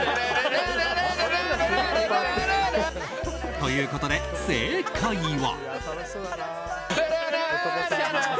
ということで正解は。